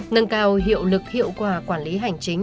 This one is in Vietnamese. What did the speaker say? nâng cao hiệu lực hiệu quả quản lý hành chính